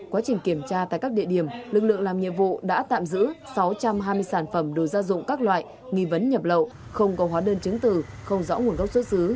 quá trình kiểm tra tại các địa điểm lực lượng làm nhiệm vụ đã tạm giữ sáu trăm hai mươi sản phẩm đồ gia dụng các loại nghi vấn nhập lậu không có hóa đơn chứng từ không rõ nguồn gốc xuất xứ